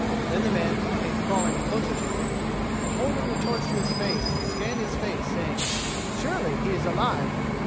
Then the man came crawling closer to him, and, holding the torch to his face, scanned his face, saying, "Surely he is alive!"